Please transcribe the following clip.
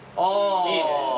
いいね。